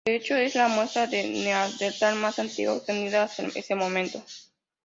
De hecho es la muestra de neandertal más antigua obtenida hasta ese momento.